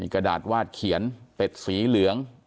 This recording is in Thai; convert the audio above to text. กระดาษวาดเขียนเป็ดสีเหลือง